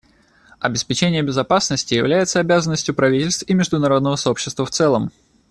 Обеспечение безопасности является обязанностью правительств и международного сообщества в целом.